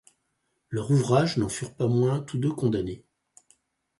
Leurs ouvrages n’en furent pas moins tous deux condamnés.